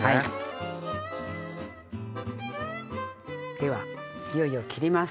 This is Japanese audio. ではいよいよ切ります。